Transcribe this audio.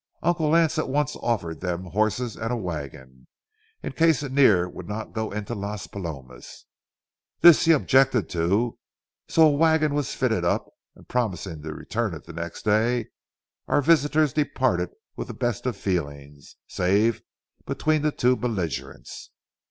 Uncle Lance at once offered them horses and a wagon, in case Annear would not go into Las Palomas. This he objected to, so a wagon was fitted up, and, promising to return it the next day, our visitors departed with the best of feelings, save between the two belligerents.